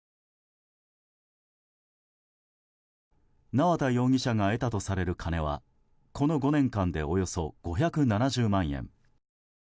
縄田容疑者が得たとされる金はこの５年間でおよそ５７０万円。